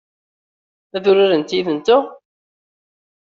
Ad urarent yid-nteɣ?